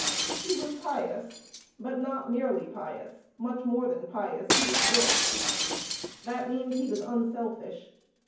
He was pious, but not merely pious; much more than pious, he was good. That means he was unselfish.